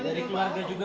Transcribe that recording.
dari keluarga juga